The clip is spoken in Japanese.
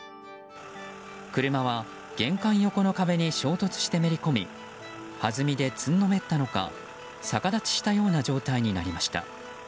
車は玄関横の壁に衝突してめり込み弾みでつんのめったのか逆立ちしたような状態になりました。